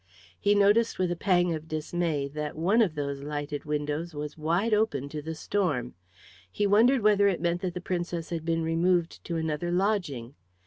He noticed with a pang of dismay that one of those lighted windows was wide open to the storm. He wondered whether it meant that the Princess had been removed to another lodging.